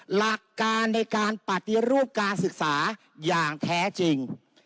หลักการในการปฏิรูปการศึกษาอย่างแท้จริง